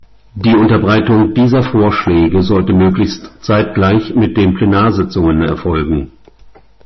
Die Unterbreitung dieser Vorschläge sollte möglichst zeitgleich mit den Plenarsitzungen erfolgen.